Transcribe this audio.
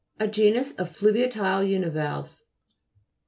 A genus of fluviatile univalves.